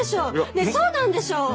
ねえそうなんでしょ？